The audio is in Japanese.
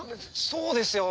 そうですよ。